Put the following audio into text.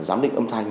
giám định âm thanh